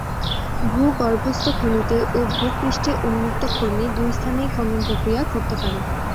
ভূ-গর্ভস্থ খনিতে ও ভূ-পৃষ্ঠে উন্মুক্ত খনি, দুই স্থানেই খনন প্রক্রিয়া ঘটতে পারে।